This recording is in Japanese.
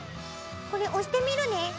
これ押してみるね。